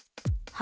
は